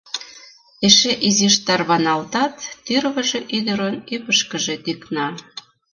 Эше изиш тарваналтат — тӱрвыжӧ ӱдырын ӱпышкыжӧ тӱкна.